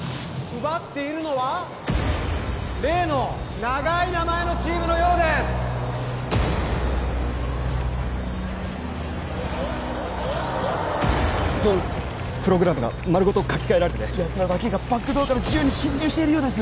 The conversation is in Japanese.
奪っているのは例の長い名前のチームのようですどうなってるプログラムがまるごと書き換えられててやつらだけがバックドアから自由に侵入しているようです